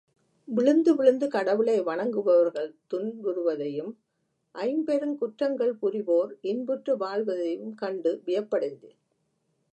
விழுந்து விழுந்து கடவுளை வணங்குபவர்கள் துன்புறுவதையும் ஐம்பெருங்குற்றங்கள் புரிவோர் இன்புற்று வாழ்வதையும் கண்டு வியப்படைந்தேன்.